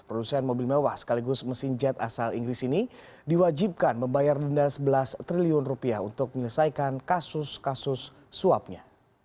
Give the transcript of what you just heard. produsen mobil mewah sekaligus mesin jet asal inggris ini diwajibkan membayar denda sebelas triliun rupiah untuk menyelesaikan kasus kasus suapnya